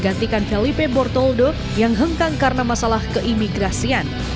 gantikan felipe bortoldo yang hengkang karena masalah keimigrasian